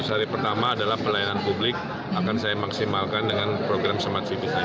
seratus hari pertama adalah pelayanan publik akan saya maksimalkan dengan program smart cvc